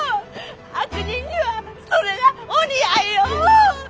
悪人にはそれがお似合いよ！